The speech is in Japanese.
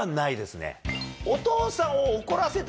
お父さんを。